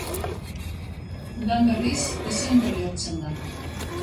Udan, berriz, dezente lehortzen da.